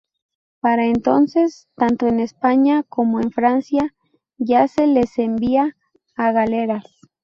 Para entonces, tanto en España como en Francia ya se les envía a galeras.